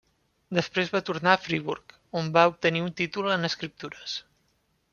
Després va tornar a Friburg, on va obtenir un títol en escriptures.